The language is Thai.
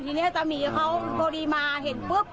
ทีนี้ตาหมีเขาพอดีมาเห็นปุ๊บ